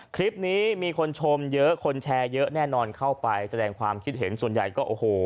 คลิปนี้มีคนชมเยอะคนแชร์เยอะแน่นอนเข้าไปแสดงความคิดเห็นส่วนใหญ่ก็โอ้โห